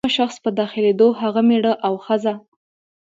د دغه شخص په داخلېدو هغه مېړه او ښځه.